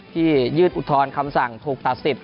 ที่ยืดอุทธรณคำสั่งถูกตัดสิทธิ์